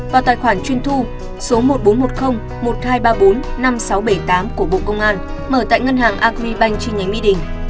và tài khoản truy thu số một nghìn bốn trăm một mươi một nghìn hai trăm ba mươi bốn năm nghìn sáu trăm bảy mươi tám của bộ công an mở tại ngân hàng agribank chi nhánh mỹ đình